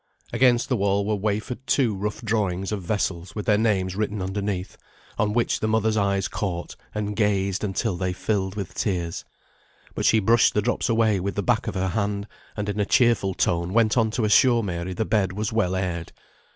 Against the wall were wafered two rough drawings of vessels with their names written underneath, on which the mother's eyes caught, and gazed until they filled with tears. But she brushed the drops away with the back of her hand, and in a cheerful tone went on to assure Mary the bed was well aired.